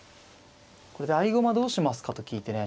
これで合駒どうしますかと聞いてね